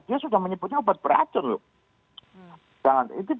dia sudah menyebutnya obat beracun loh